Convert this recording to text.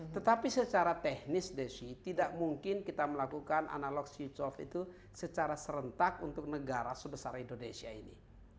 tetapi secara teknis desi tidak mungkin kita melakukan analog switch off itu secara serentak untuk negara sebesar indonesia ini